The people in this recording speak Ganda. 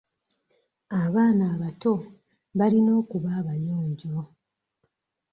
Abaana abato balina okuba abayonjo.